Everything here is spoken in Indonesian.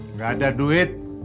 nggak ada duit